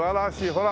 ほら。